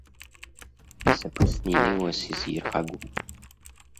Исаԥысны инеиуа сизырхагом.